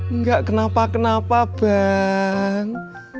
enggak kenapa kenapa bang